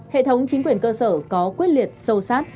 hệ thống chính quyền cơ sở có quyết liệt sâu sát